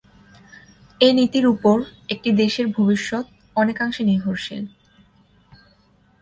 এ নীতির ওপর একটি দেশের ভবিষ্যৎ অনেকাংশে নির্ভরশীল।